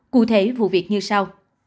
cụ thể vụ việc như sau